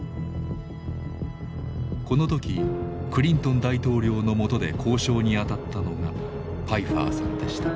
この時クリントン大統領のもとで交渉にあたったのがパイファーさんでした。